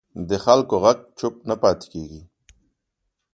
د خلکو غږ چوپ نه پاتې کېږي